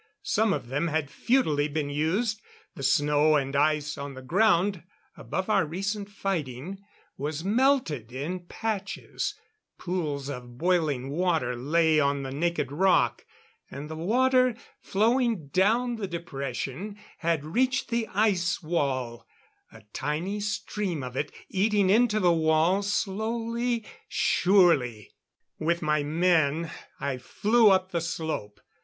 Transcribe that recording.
Some of them had futilely been used; the snow and ice on the ground above our recent fighting was melted in patches pools of boiling water lay on the naked rock; and the water, flowing down the depression, had reached the ice wall a tiny stream of it, eating into the wall, slowly, surely.... With my men I flew up the slope.